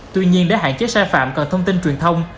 tuy nhiên để hạn chế sai phạm cần thông tin truyền thông